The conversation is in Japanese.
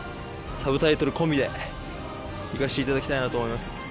サブタイトル込みで行かせていただきたいなと思います。